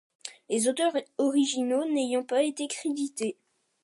Les auteurs originaux n'ayant pas été crédités.